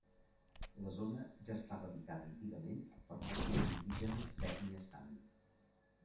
La zona ja estava habitada antigament per pobles indígenes d'ètnia sami.